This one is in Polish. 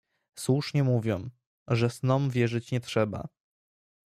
"Słusznie mówią, że snom wierzyć nie trzeba."